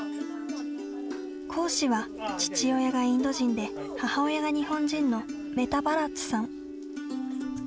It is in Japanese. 講師は、父親がインド人で母親が日本人のメタ・バラッツさん。